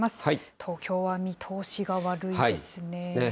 東京は見通しが悪いですね。ですね。